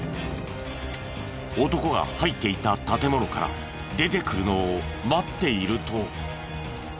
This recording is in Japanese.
男が入っていった建物から出てくるのを待っていると。